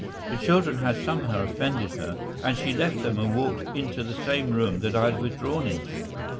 The children had somehow offended her, and she left them and walked into the same room that I had withdrawn into.